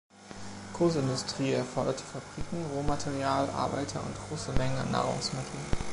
Großindustrie erforderte Fabriken, Rohmaterial, Arbeiter und große Mengen an Nahrungsmittel.